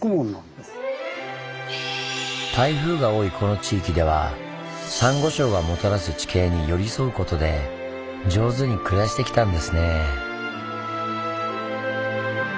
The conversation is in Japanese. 台風が多いこの地域ではサンゴ礁がもたらす地形に寄り添うことで上手に暮らしてきたんですねぇ。